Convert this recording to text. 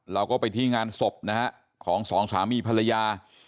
เราก็ไปที่งานศพนะฮะของสองสามีภรรยา